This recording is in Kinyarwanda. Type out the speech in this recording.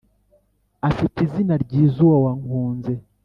Afit' izina ryiz' uwo wankunze.